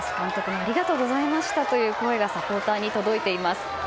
ありがとうございましたという声がサポーターに届いています。